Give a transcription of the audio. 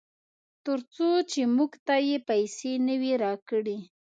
ترڅو چې موږ ته یې پیسې نه وي راکړې.